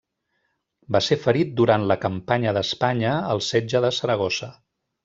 Va ser ferit durant la campanya d'Espanya, al setge de Saragossa.